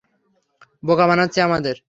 বোকা বানাচ্ছে আমাদের।